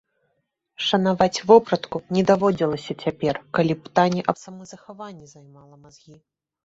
Шанаваць вопратку не даводзілася цяпер, калі пытанне аб самазахаванні займала мазгі.